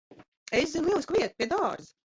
Es zinu lielisku vietu. Pie dārza.